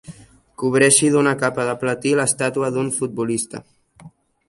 Cobreixi d'una capa de platí l'estàtua d'un futbolista.